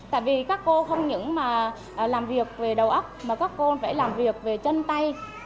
tại vì các cô không những mà làm việc về đầu óc mà các cô phải làm việc về chân tay